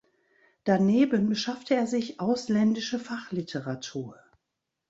Daneben beschaffte er sich ausländische Fachliteratur.